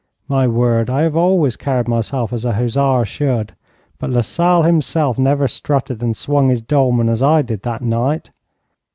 My word, I have always carried myself as a hussar should, but Lasalle himself never strutted and swung his dolman as I did that night.